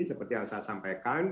seperti yang saya sampaikan